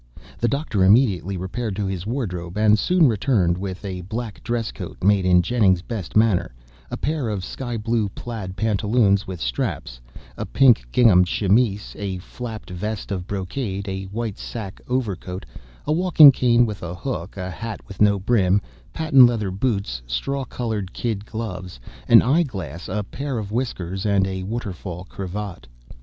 The Doctor immediately repaired to his wardrobe, and soon returned with a black dress coat, made in Jennings' best manner, a pair of sky blue plaid pantaloons with straps, a pink gingham chemise, a flapped vest of brocade, a white sack overcoat, a walking cane with a hook, a hat with no brim, patent leather boots, straw colored kid gloves, an eye glass, a pair of whiskers, and a waterfall cravat.